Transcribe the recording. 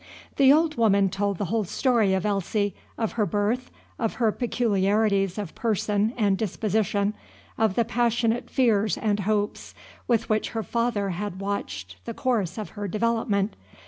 The old woman told the whole story of Elsie, of her birth, of her peculiarities of person and disposition, of the passionate fears and hopes with which her father had watched the course of her development.